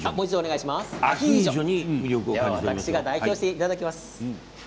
私が代表していただきます。